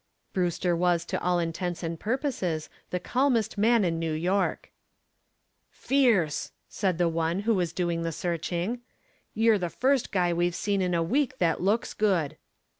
Brewster was to all intents and purposes the calmest man in New York. "Fierce!" said the one who was doing the searching. "You're the first guy we've seen in a week that looks good."